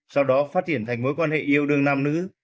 sau đó phát triển thành mối quan hệ yêu đương nam nữ